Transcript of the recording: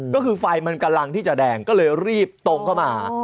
ก็คือไฟมันกำลังที่จะแดงก็เลยรีบตรงเข้ามา